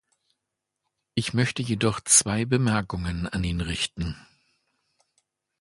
Ich möchte jedoch zwei Bemerkungen an ihn richten.